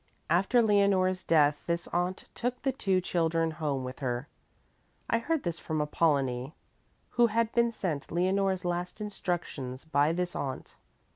After Leonore's death this aunt took the two children home with her. I heard this from Apollonie, who had been sent Leonore's last instructions by this aunt.